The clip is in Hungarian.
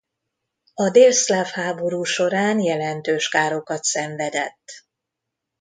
A délszláv háború során jelentős károkat szenvedett.